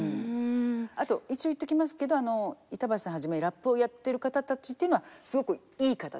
あと一応言っときますけど板橋さんはじめラップをやってる方たちっていうのはすごくイイ方です。